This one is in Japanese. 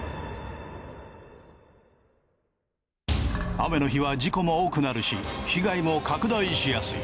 雨の日は事故も多くなるし被害も拡大しやすい。